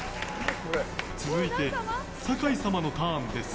続いて、酒井様のターンです。